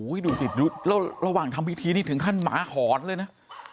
โหดูสิระหว่างทำพฤทธิ์นี่ครึ่งขั้นหมาหอมเลยนะ